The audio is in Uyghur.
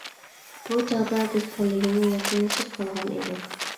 بۇ چاغدا بىز پەللىگىمۇ يېقىنلىشىپ قالغان ئىدۇق.